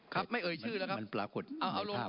ครับไม่เอ่ยชื่อนะครับ